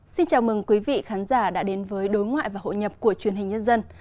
xin chào mừng quý vị khán giả đã đến với đối ngoại và hội nhập của truyền hình nhân dân